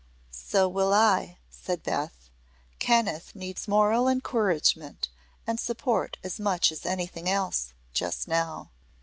"So will I," said Beth. "Kenneth needs moral encouragement and support as much as anything else, just now."